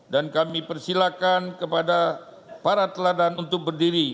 dan kami persilahkan kepada para teladan untuk berdiri